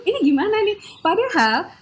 ini gimana nih padahal